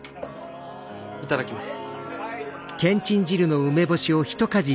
頂きます。